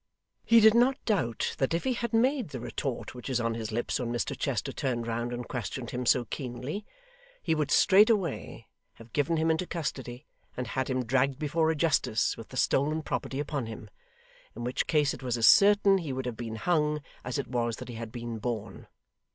He did not doubt that if he had made the retort which was on his lips when Mr Chester turned round and questioned him so keenly, he would straightway have given him into custody and had him dragged before a justice with the stolen property upon him; in which case it was as certain he would have been hung as it was that he had been born.